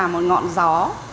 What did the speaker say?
một ngọn gió